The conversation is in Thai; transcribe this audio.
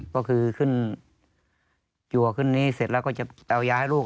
ก็คือขึ้นจัวขึ้นนี้เสร็จแล้วก็จะเอายาให้ลูก